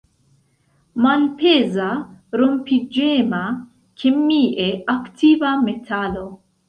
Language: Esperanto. Malpeza, rompiĝema, kemie aktiva metalo.